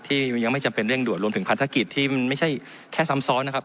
ที่มันยังไม่จำเป็นเร่งด่วนรวมถึงภารกิจที่มันไม่ใช่แค่ซ้ำซ้อนนะครับ